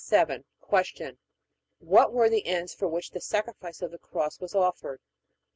Q. What were the ends for which the sacrifice of the Cross was offered?